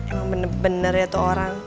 emang bener bener ya tuh orang